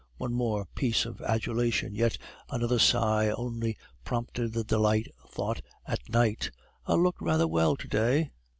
one more piece of adulation, yet another sigh only prompted the delightful thought at night, "I looked rather well to day."